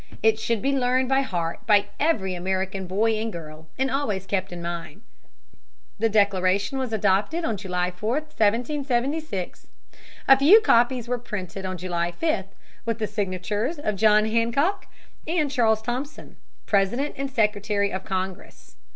It should be learned by heart by every American boy and girl, and always kept in mind. The Declaration was adopted on July 4, 1776. A few copies were printed on July 5, with the signatures of John Hancock and Charles Thompson, president and secretary of Congress.